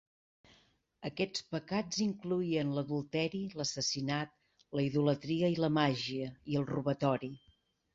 Aquests pecats incloïen l'adulteri, l'assassinat, la idolatria i la màgia, i el robatori.